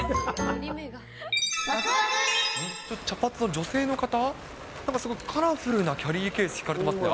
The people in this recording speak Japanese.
ちょっと茶髪の女性の方、なんかすごくカラフルなキャリーケース、引かれてますね。